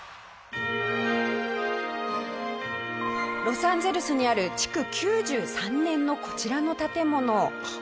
ロサンゼルスにある築９３年のこちらの建物。